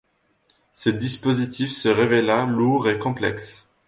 Ce dispositif se révéla lourd et complexe.